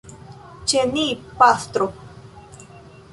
Ĉe ni, pastro.